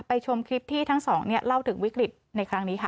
ชมคลิปที่ทั้งสองเล่าถึงวิกฤตในครั้งนี้ค่ะ